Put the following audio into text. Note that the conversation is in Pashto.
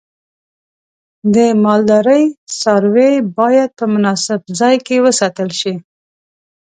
د مالدارۍ څاروی باید په مناسب ځای کې وساتل شي.